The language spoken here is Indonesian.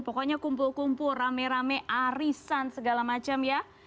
pokoknya kumpul kumpul rame rame arisan segala macam ya